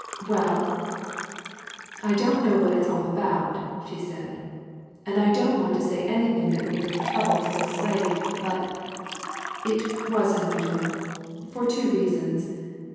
"Well, I don't know what it's all about," she said, "and I don't want to say anything that would bring trouble to Miss Slade, but it was unusual. For two reasons.